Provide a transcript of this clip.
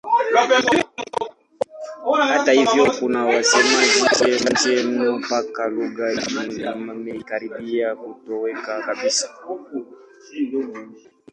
Hata hivyo kuna wasemaji wachache mno mpaka lugha imekaribia kutoweka kabisa.